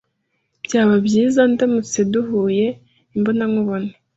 Byaba byiza ndamutse duhuye imbona nkubone.